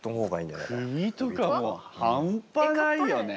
首とかもう半端ないよね！